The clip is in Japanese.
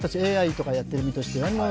ＡＩとかをやっている身としては。